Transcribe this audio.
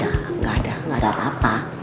enggak ada enggak ada apa apa